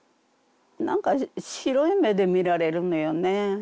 何か白い目で見られるのよね。